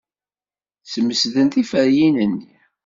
Smesden tiferyin-nni.